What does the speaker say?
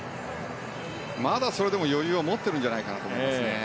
まだそれでも余裕を持っているんじゃないかと思います。